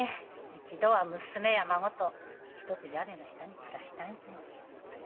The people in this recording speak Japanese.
一度は娘や孫と一つ屋根の下に暮らしたいもの。